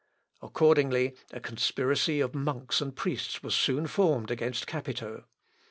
Accordingly a conspiracy of monks and priests was soon formed against Capito.